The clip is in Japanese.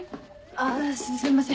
あすいません。